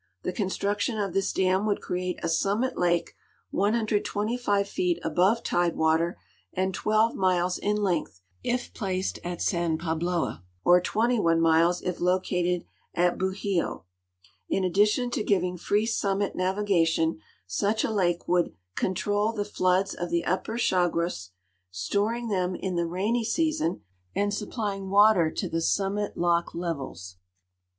The construction of this dam would create a summit lake 125 feet above tide water and 12 miles in len<rth if placed at San Pahloa, or 21 miles if located at Bujio. In addition to giving free summit navigation, such a lake would control the floods of the Up])er Chagres, storing tliem in the rainy season and supplying water to the summit lock levels.